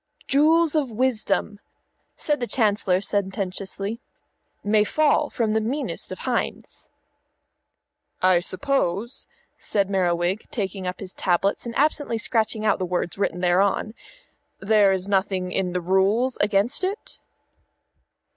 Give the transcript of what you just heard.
"Jewels of wisdom," said the Chancellor sententiously, "may fall from the meanest of hinds." "I suppose," said Merriwig, taking up his tablets and absently scratching out the words written thereon, "there is nothing in the rules against it?"